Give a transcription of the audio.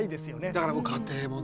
だから家庭もね